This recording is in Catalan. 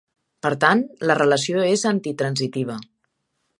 Per tant, la relació és antitransitiva.